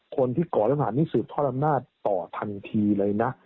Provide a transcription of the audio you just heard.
คนที่ก่อนัตตาประหารนี่สืบท่อดำนาจต่อทันทีเลยนะ